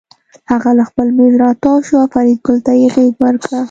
هغه له خپل مېز راتاو شو او فریدګل ته یې غېږ ورکړه